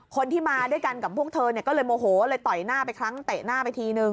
คนที่มาด้วยกันกับพวกเธอเนี่ยก็เลยโมโหเลยต่อยหน้าไปครั้งเตะหน้าไปทีนึง